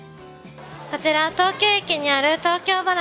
こちら東京駅にある、東京ばな